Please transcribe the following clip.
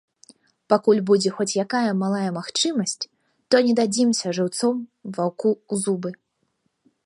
Пакуль будзе хоць якая малая магчымасць, то не дадзімся жыўцом ваўку ў зубы.